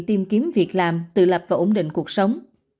tìm kiếm việc làm tự lập và ổn định cuộc sống